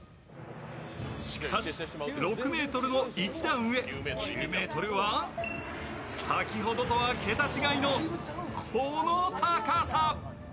しかし６ｍの一段上、９ｍは先ほどとは桁違いのこの高さ。